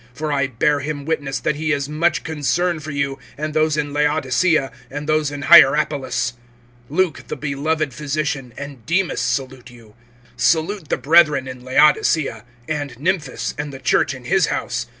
(13)For I bear him witness, that he has much concern[4:13] for you, and those in Laodicea, and those in Hierapolis. (14)Luke, the beloved physician, and Demas, salute you. (15)Salute the brethren in Laodicea, and Nymphas, and the church in his house.